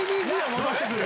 戻ってくる。